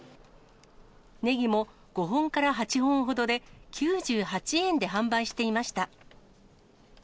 ネギも５本から８本ほどで９８円で販売していました。